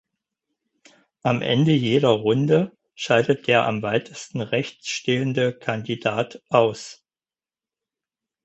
Am Ende jeder Runde scheidet der am weitesten rechts stehende Kandidat aus.